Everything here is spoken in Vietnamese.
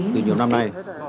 từ nhiều năm nay